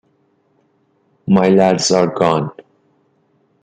My lads are gone.